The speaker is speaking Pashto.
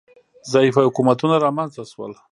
ضعیفه حکومتونه رامنځ ته شول